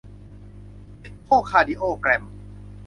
เอ็คโคคาร์ดิโอแกรม